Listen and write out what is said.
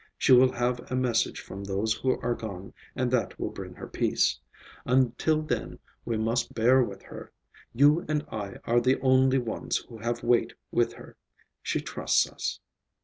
She will have a message from those who are gone, and that will bring her peace. Until then we must bear with her. You and I are the only ones who have weight with her. She trusts us."